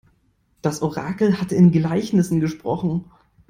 Das Orakel hatte in Gleichnissen gesprochen.